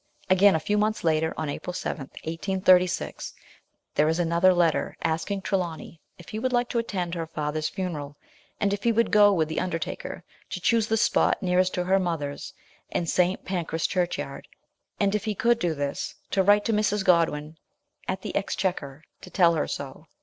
Again, a few months later, on April 7, 1836, there is another letter asking Trelawny if he would like to attend her father's funeral, and if he would go with the undertaker to choose the spot nearest to her mother's, in St. Pancras Churchyard, and, if he could do this, to write to Mrs. Godwin, at the Exchequer, to tell her so.